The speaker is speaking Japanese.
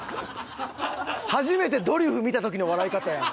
初めて『ドリフ』見た時の笑い方やん。